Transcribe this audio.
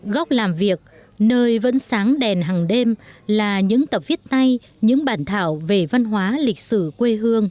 góc làm việc nơi vẫn sáng đèn hàng đêm là những tập viết tay những bản thảo về văn hóa lịch sử quê hương